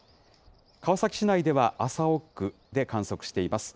川崎市内ではあさお区で観測しています。